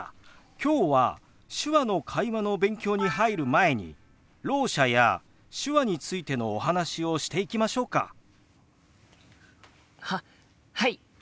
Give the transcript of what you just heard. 今日は手話の会話の勉強に入る前にろう者や手話についてのお話をしていきましょうか。ははい！